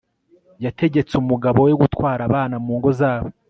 yategetse umugabo we gutwara abana mu ngo zabo